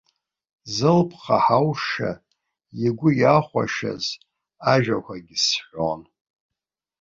Зылԥха ҳауша игәы иахәашаз ажәақәагьы сҳәон.